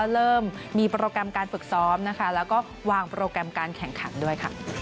เริ่มมีโปรแกรมการฝึกซ้อมแล้วก็วางโปรแกรมการแข่งขันด้วย